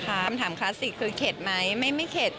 คำถามคลาสสิกคือเข็ดไหมไม่เข็ด